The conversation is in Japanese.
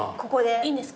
いいんですか？